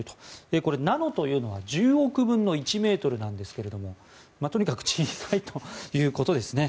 これはナノというのは１０億分の１ｍなんですがとにかく小さいということですね。